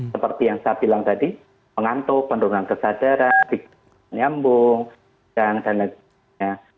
seperti yang saya bilang tadi pengantuk penurunan kesadaran penyambung dan lain lain